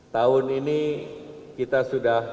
tahun ini kita sudah